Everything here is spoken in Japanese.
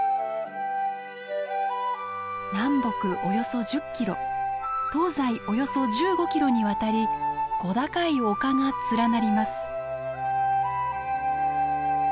南北およそ１０キロ東西およそ１５キロにわたり小高い丘が連なります。